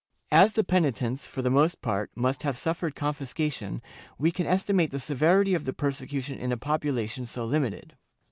* As the penitents, for the most part, must have suffered confiscation, we can estimate the severity of the persecution in a population so limited.